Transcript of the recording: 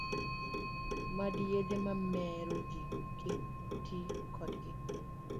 Mad yedhe mamero ji kik ti kodgi